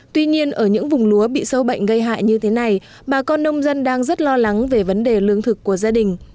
tuy nhiên ở những vùng lúa bị sâu bệnh gây hại như thế này bà con nông dân đang rất lo lắng về vấn đề lương thực của gia đình